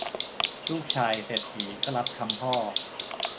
ลูกชายเศรษฐีก็รับคำพ่อ